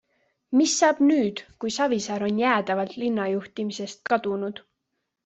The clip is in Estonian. Mis saab nüüd kui Savisaar on jäädavalt linnajuhtimisest kadunud?